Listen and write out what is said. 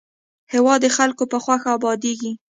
هېواد د خلکو په خوښه ابادېږي.